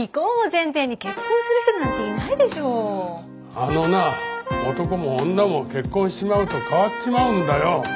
あのな男も女も結婚しちまうと変わっちまうんだよ。